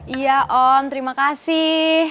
iya om terima kasih